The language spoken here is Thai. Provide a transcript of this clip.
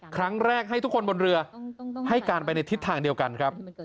ครั้งแรกให้ทุกคนบนเรือให้การไปในทิศทางเดียวกันครับ